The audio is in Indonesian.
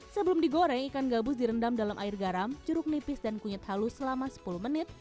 sebelum digoreng ikan gabus direndam dalam air garam jeruk nipis dan kunyit halus selama sepuluh menit